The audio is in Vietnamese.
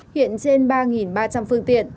hiện trên ba ba trăm linh phương tiện